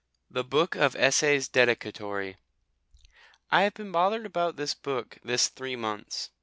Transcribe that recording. THE BOOK OF ESSAYS DEDICATORY I have been bothered about this book this three months.